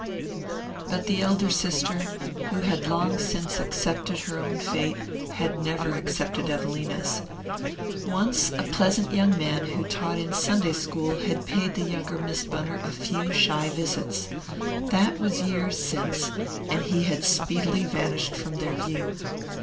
But the elder sister, who had long since accepted her own fate, had never accepted Evelina's. Once a pleasant young man who taught in Sunday school had paid the younger Miss Bunner a few shy visits. That was years since, and he had speedily vanished from their view.